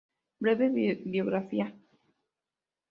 Breve biografía